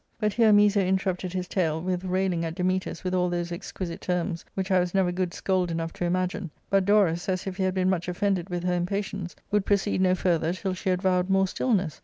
But here Miso interrupted his tale with railing at Dametas with all those exquisite terms which I* was never good scold enough to imagine. But Dorus, as if he had been much offended with her impatience, would proceed no further till she had vowed more stillness.